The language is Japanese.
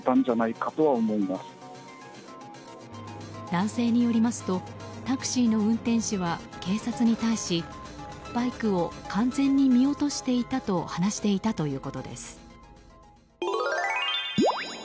男性によりますとタクシーの運転手は警察に対しバイクを完全に見落としていたと話していたということです。